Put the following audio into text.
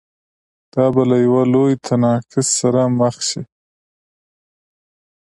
دا به له یوه لوی تناقض سره مخ شي.